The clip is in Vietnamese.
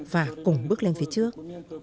và cùng bước lên phía trước